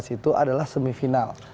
itu adalah semifinal